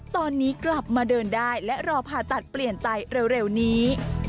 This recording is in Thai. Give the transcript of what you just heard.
ตอนนี้กลับมาเดินได้และรอผ่าตัดเปลี่ยนไตเร็วนี้